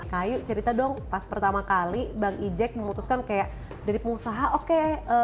kayu cerita dong pas pertama kali bang ijek memutuskan kayak dari pengusaha oke